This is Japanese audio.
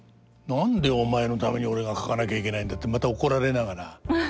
「何でお前のために俺が描かなきゃいけないんだ」ってまた怒られながら。